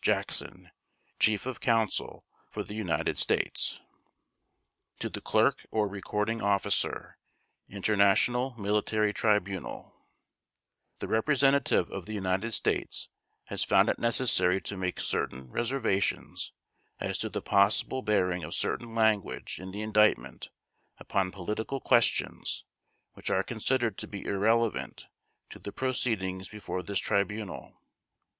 JACKSON, Chief of Counsel for the United States. To the Clerk or Recording Officer, International Military Tribunal: The representative of the United States has found it necessary to make certain reservations as to the possible bearing of certain language in the Indictment upon political questions which are considered to be irrelevant to the proceedings before this Tribunal.